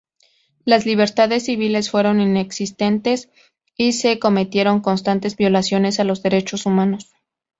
Las libertades civiles fueron inexistentes y se cometieron constantes violaciones a los derechos humanos.